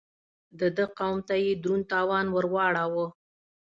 د ده قوم ته يې دروند تاوان ور واړاوه.